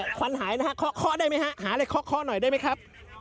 พี่กว้นหายหน่อยข้อนำได้ไหมหาอะไรข้อหน่อยได้ไหมครับ